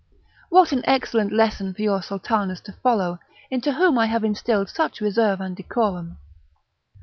What an excellent lesson for your sultanas to follow, into whom I have instilled such reserve and decorum!"